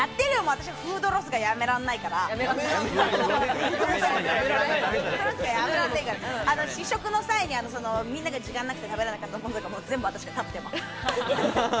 私、フードロスがやめられないから、試食の際にみんなが時間なくて食べれなかったもの、全部私が食べてます。